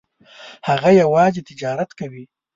هغه یوازې تجارت کوي.